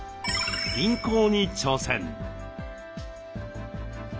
輪行に挑戦。